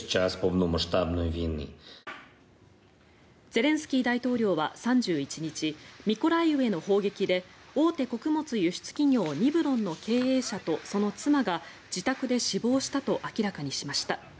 ゼレンスキー大統領は３１日ミコライウへの砲撃で大手穀物輸出企業、ニブロンの経営者とその妻が自宅で死亡したと明らかにしました。